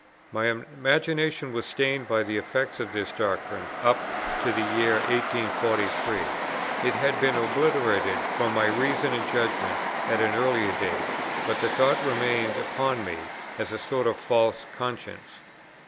My imagination was stained by the effects of this doctrine up to the year 1843; it had been obliterated from my reason and judgment at an earlier date; but the thought remained upon me as a sort of false conscience.